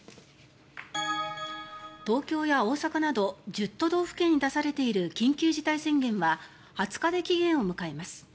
東京や大阪など１０都道府県に出されている緊急事態宣言は２０日で期限を迎えます。